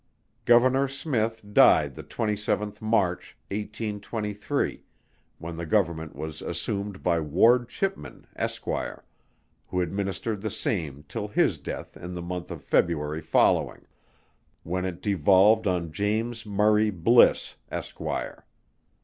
Governor SMYTH died the 27th March, 1823, when the Government was assumed by WARD CHIPMAN, Esquire, who administered the same till his death in the month of February following, when it devolved on JOHN MURRAY BLISS, Esquire.